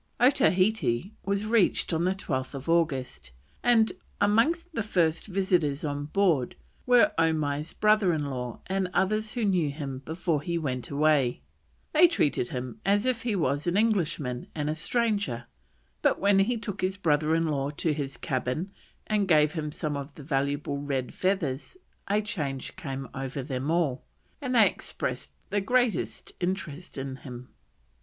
Otaheite was reached on 12th August, and amongst the first visitors on board were Omai's brother in law and others who knew him before he went away; they treated him as if he was an Englishman and a stranger, but when he took his brother in law to his cabin and gave him some of the valuable red feathers a change came over them all, and they expressed the greatest interest in him.